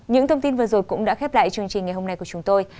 những thông tin vừa rồi cũng đã khép lại chương trình ngày hôm nay của chúng tôi